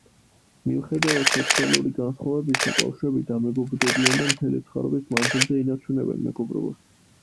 მიუხედავად სოციალური განსხვავებისა, ბავშვები დამეგობრდებიან და მთელი ცხოვრების მანძილზე ინარჩუნებენ მეგობრობას.